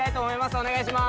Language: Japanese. お願いします。